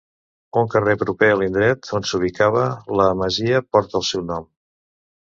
Un carrer proper a l'indret on s'ubicava la masia porta el seu nom.